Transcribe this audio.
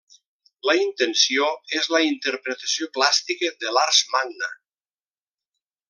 La intenció és la interpretació plàstica de l'Ars Magna.